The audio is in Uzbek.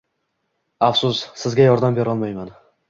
Afsus, sizga yordam berolmayman.